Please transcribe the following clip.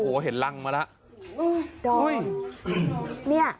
โอ้โหเห็นรังมาแล้วดอม